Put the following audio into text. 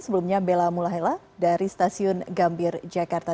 sebelumnya bella mulahela dari stasiun gambir jakarta